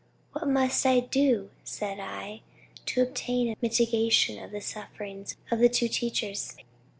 What must I do, said I, to obtain a mitigation of the sufferings of the two teachers?